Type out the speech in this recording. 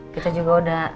kita juga udah